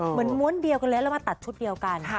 เหมือนม้วนเดียวกันแล้วเรามาตัดชุดเดียวกัน